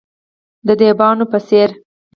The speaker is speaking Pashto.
د دیبانو په څیر،